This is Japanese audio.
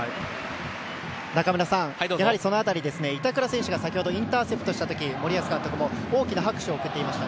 中村さん、やはりその辺り板倉選手が先ほどインターセプトをした時に森保監督も大きな拍手を送っていました。